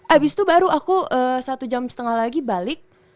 abis itu baru aku satu jam setengah lagi balik